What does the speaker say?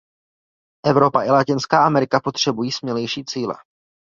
Evropa i Latinská Amerika potřebují smělejší cíle.